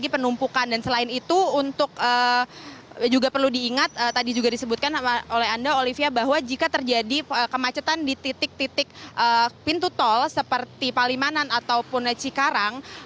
ini juga disebutkan oleh anda olivia bahwa jika terjadi kemacetan di titik titik pintu tol seperti palimanan atau punaci karang